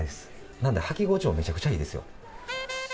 なので、はき心地もめちゃくちゃいいですよ。